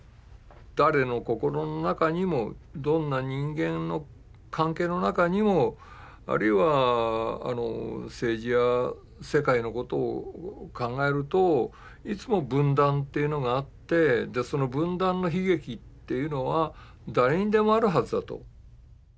誰の心の中にもどんな人間の関係の中にもあるいは政治や世界のことを考えるといつも分断っていうのがあってその分断の悲劇っていうのは誰にでもあるはずだと。